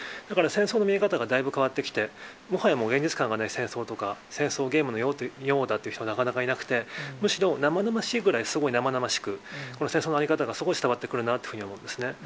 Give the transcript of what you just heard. だから戦争の見え方がだいぶ変わってきて、もはや現実感がない戦争とか、戦争ゲームのようだという人はなかなかいなくて、むしろ、生々しいぐらい、すごい生々しく、この戦争の在り方がすごい伝わってくるなと思うんですね。